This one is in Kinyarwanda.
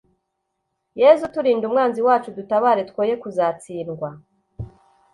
Yezu turinde umwanzi wacu udutabare twoye kuzatsindwa